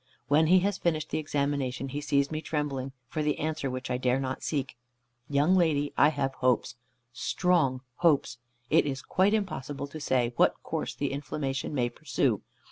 When he has finished the examination he sees me trembling for the answer which I dare not seek. "Young lady, I have hopes, strong hopes. It is quite impossible to say what course the inflammation may pursue.